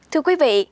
thưa quý vị